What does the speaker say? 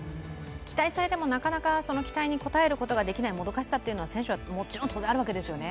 期待されても、なかなかその期待に応えることができないもどかしさというのを選手はもちろんあるわけですよね。